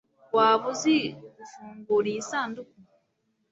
waba uzi gufungura iyi sanduku